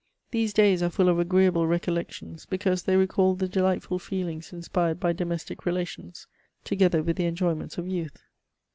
These days are full of agreeable re collections, because they recal the delightful feelings inspired by domestic relations, together with the enjoyments of youth.